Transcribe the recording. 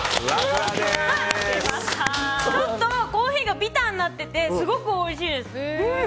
ちょっとコーヒーがビターになっていてすごくおいしいです。